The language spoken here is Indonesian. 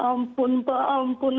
ampun pak ampun